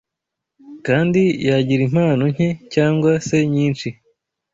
kandi yagira impano nke cyangwa se nyinshi